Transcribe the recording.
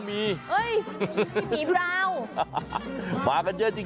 มีบีมากกันเยอะจริง